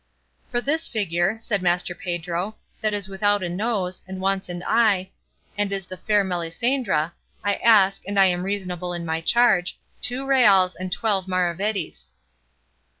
"For this figure," said Master Pedro, "that is without a nose, and wants an eye, and is the fair Melisendra, I ask, and I am reasonable in my charge, two reals and twelve maravedis."